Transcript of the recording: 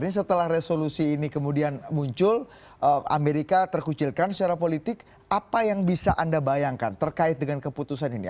jadi setelah resolusi ini kemudian muncul amerika terkucilkan secara politik apa yang bisa anda bayangkan terkait dengan keputusan ini